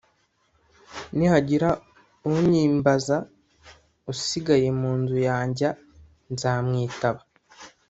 Nihagira unyimbaza usigaye mu nzu yanjya nzamwitaba